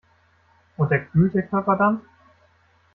Unterkühlt der Körper dann?